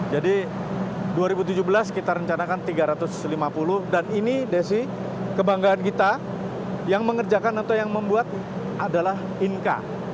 jadi dua ribu tujuh belas kita rencanakan tiga ratus lima puluh dan ini desy kebanggaan kita yang mengerjakan atau yang membuat adalah inka